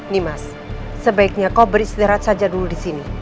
dimas sebaiknya kau beristirahat saja dulu disini